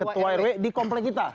ketua rw di komplek kita